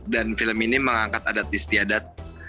dan film ini mengangkat adat istiadat